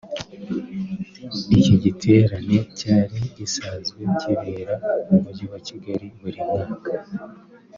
Iki giterane cyari gisazwe kibera mu Mujyi wa Kigali buri mwaka